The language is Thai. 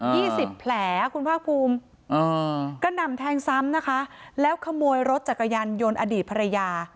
สิบแผลคุณภาคภูมิอ่ากระหน่ำแทงซ้ำนะคะแล้วขโมยรถจักรยานยนต์อดีตภรรยา